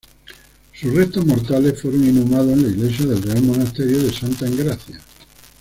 Sus restos mortales fueron inhumados en la iglesia del Real Monasterio de Santa Engracia.